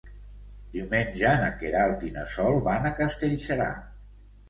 Diumenge na Queralt i na Sol van a Castellserà.